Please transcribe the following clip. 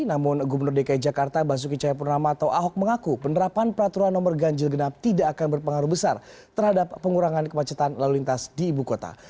namun gubernur dki jakarta basuki cahayapurnama atau ahok mengaku penerapan peraturan nomor ganjil genap tidak akan berpengaruh besar terhadap pengurangan kemacetan lalu lintas di ibu kota